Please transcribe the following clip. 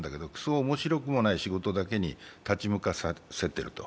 おもしろくもない仕事だけに立ち向かされていると。